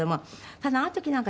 ただあの時なんか。